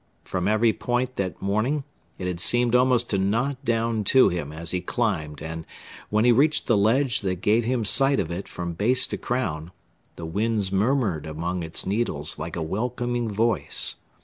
From every point that morning it had seemed almost to nod down to him as he climbed and, when he reached the ledge that gave him sight of it from base to crown, the winds murmured among its needles like a welcoming voice.